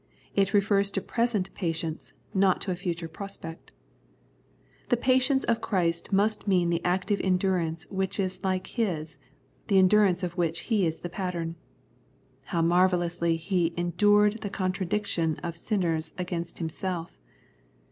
It refers to present patience, not to a future prospect. The patience of Christ must mean the active endurance which is like His, the endurance of which He is the pattern. How marvellously He " endured the contradiction of sinners against Himself